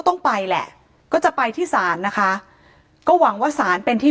ต้องไปแหละก็จะไปที่ศาลนะคะก็หวังว่าสารเป็นที่